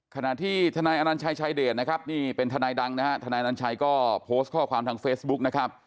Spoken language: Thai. ขณะที่ทนัยอานันชัยชัยเดตนะครับนี้เป็นทนัยดังนะฮะทนัยอันชัยขอบคุณภาพทางเฟซบุ๊กนะครับ